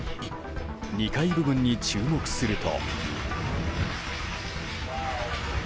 ２階部分に注目すると。